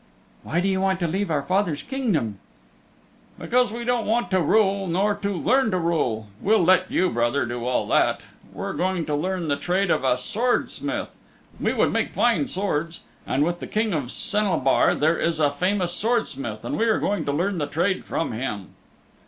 "Why do you want to leave our father's Kingdom?" "Because we don't want to rule nor to learn to rule. We'll let you, brother, do all that. We're going to learn the trade of a sword smith. We would make fine swords. And with the King of Senlabor there is a famous sword smith, and we are going to learn the trade from him."